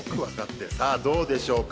さあどうでしょうか？